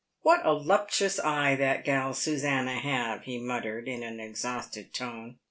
" What a luptious eye that gal Susannah have !" he muttered, in an exhausted tone.